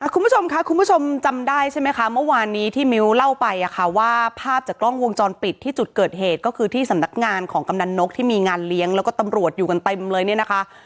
คุณผู้ชมค่ะคุณผู้ชมจำได้ใช่ไหมคะเมื่อวานนี้ที่มิ้วเล่าไปว่าภาพจากกล้องวงจรปิดที่จุดเกิดเหตุก็คือที่สำนักงานของกำนันนกที่มีงานเลี้ยงแล้วก็ตำรวจอยู่กันเต็มเลยเนี่ยนะคะ